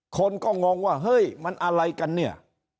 คนก็งงว่าเฮ้ยมันอะไรกันเนี่ย